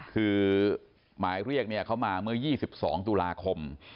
คือหมายเรียกเขามาเมื่อ๒๒ตุลาคม